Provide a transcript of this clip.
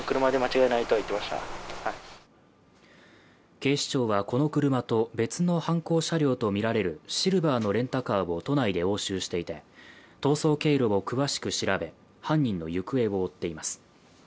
警視庁はこの車と別の犯行車両とみられるシルバーのレンタカーを都内で押収していて逃走経路を詳しく調べ犯人の行方を追っています。